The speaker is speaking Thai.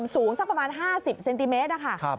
สูงสักประมาณ๕๐เซนติเมตรนะคะ